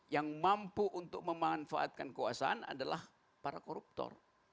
yang mampu untuk memanfaatkan kekuasaan adalah para koruptor